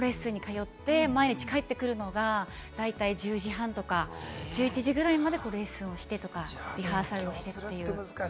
週５６、レッスンに通って、毎日帰ってくるのが大体１０時半とか１１時ぐらいまでレッスンしてとかリハーサルしてという。